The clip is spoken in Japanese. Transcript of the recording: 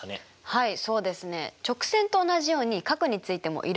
はい。